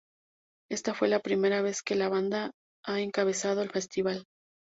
Esta fue la primera vez que la banda ha encabezado el festival.